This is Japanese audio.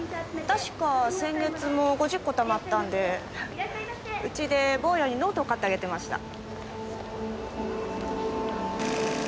確か先月も５０個たまったんでうちで坊やにノートを買ってあげてました。